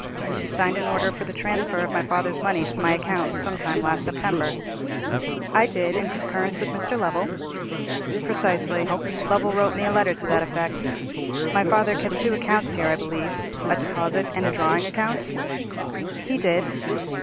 You signed an order for the transfer of my father's money to my account some time in last September." "I did, in concurrence with Mr. Lovell." "Precisely; Lovell wrote me a letter to that effect. My father kept two accounts here, I believe—a deposit and a drawing account?" "He did."